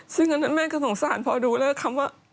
ซึ่งอันนั้นแม่ก็สงสารพอดูแล้วคำว่า